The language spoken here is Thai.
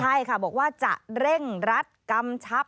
ใช่ค่ะบอกว่าจะเร่งรัดกำชับ